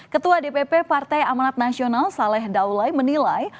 ketua dpp partai amanat nasional saleh daulai menilai